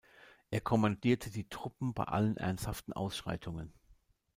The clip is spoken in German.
Er kommandierte die Truppen bei allen ernsthaften Ausschreitungen.